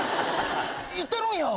行ってるんや。